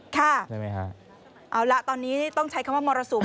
ค่ะเอาละตอนนี้ต้องใช้คำว่ามรสุมนะ